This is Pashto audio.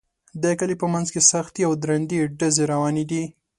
د کلي په منځ کې سختې او درندې ډزې روانې دي